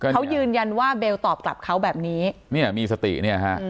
เขายืนยันว่าเบลตอบกลับเขาแบบนี้เนี่ยมีสติเนี่ยฮะ